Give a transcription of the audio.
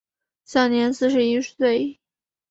享年四十一岁。